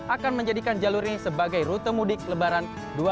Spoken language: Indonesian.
akan menjadikan jalur ini sebagai rute mudik lebaran dua ribu dua puluh